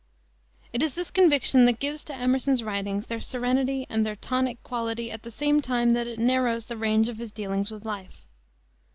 It is this conviction that gives to Emerson's writings their serenity and their tonic quality at the same time that it narrows the range of his dealings with life.